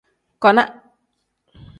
Kona.